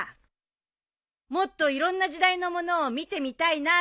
「もっといろんな時代のものを見てみたいなと思いました」